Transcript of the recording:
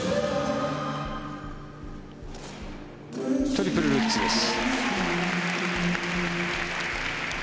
トリプルルッツです。